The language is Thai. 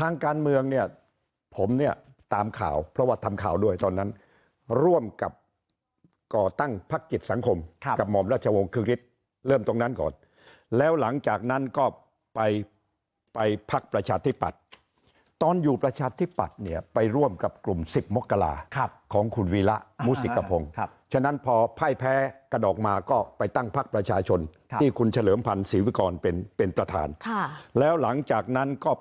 ทางการเมืองเนี่ยผมเนี่ยตามข่าวเพราะว่าทำข่าวด้วยตอนนั้นร่วมกับก่อตั้งภักดิ์จิตสังคมกับหมอมราชวงศ์คือกฤทธิ์เริ่มตรงนั้นก่อนแล้วหลังจากนั้นก็ไปไปภักดิ์ประชาธิปัตย์ตอนอยู่ประชาธิปัตย์เนี่ยไปร่วมกับกลุ่ม๑๐มกลาของคุณวีละมูศิกกะพงฉะนั้นพอไพ้แพ้กระดอกมาก็